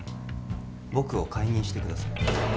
僕を解任してください